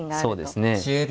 そうですね。